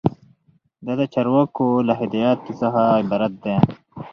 دا د چارواکو له هدایاتو څخه عبارت دی.